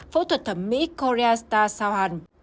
phẫu thuật thẩm mỹ korea star sao hàn